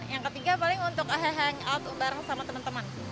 yang ketiga paling untuk hangout bareng sama teman teman